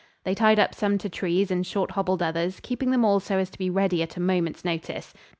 They tied up some to trees and short hobbled others, keeping them all so as to be ready at a moment's notice.